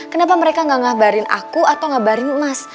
kenapa mereka gak ngabarin aku atau ngabarin emas